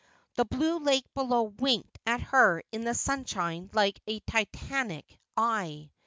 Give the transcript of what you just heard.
The blue lake below winked at her in the sunshine like a Titanic eye.